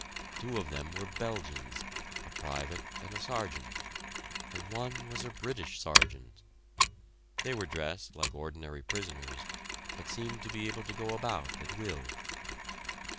Two of them were Belgians, a private and a Sergeant, and one was a British Sergeant. They were dressed like ordinary prisoners, but seemed to be able to go about at will.